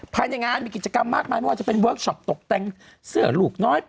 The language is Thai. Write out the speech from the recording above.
ภายในงานมีกิจกรรมมากมายไม่ว่าจะเป็นเวิร์คชอปตกแต่งเสื้อลูกน้อย